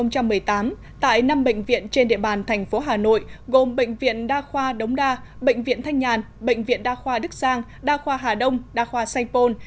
các bệnh viện trên địa bàn thành phố hà nội gồm bệnh viện đa khoa đống đa bệnh viện thanh nhàn bệnh viện đa khoa đức giang đa khoa hà đông đa khoa saipol